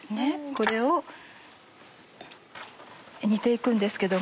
これを煮て行くんですけども。